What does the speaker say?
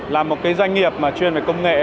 là một cái doanh nghiệp mà chuyên về công nghệ